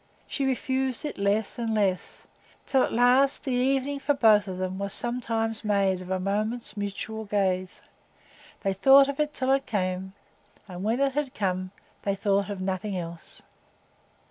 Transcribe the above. She refused it less and less, till at last the evening for them both was sometimes made of a moment's mutual gaze; they thought of it till it came, and when it had come, they thought of nothing else.